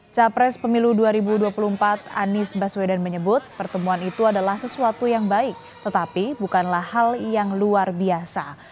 capres pemilu dua ribu dua puluh empat anies baswedan menyebut pertemuan itu adalah sesuatu yang baik tetapi bukanlah hal yang luar biasa